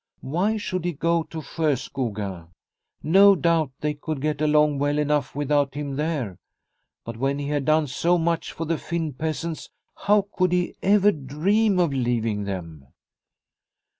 Why should he go to Sjoskoga ? No doubt they could get along well enough without him there. But when he had done so much for the Finn peasants, how could he ever dream of leaving them